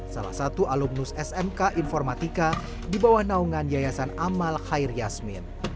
salah satu alumnus smk informatika di bawah naungan yayasan amal khair yasmin